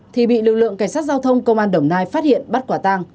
thì bị lực lượng cảnh sát giao thông công an đồng nai phát hiện bắt quả tang